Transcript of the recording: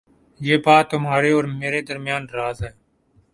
یہ بات تمہارے اور میرے درمیان راز ہے